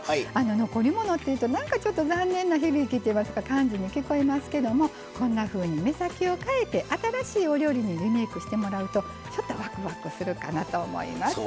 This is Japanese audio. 残り物っていうとなんかちょっと残念な響きといいますか感じに聞こえますけどもこんなふうに目先を変えて新しいお料理にリメイクしてもらうとちょっとワクワクするかなと思います。